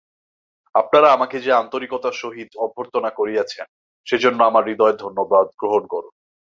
আপনারা আমাকে যে আন্তরিকতার সহিত অভ্যর্থনা করিয়াছেন, সেজন্য আমার হৃদয়ের ধন্যবাদ গ্রহণ করুন।